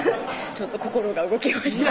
ちょっと心が動きました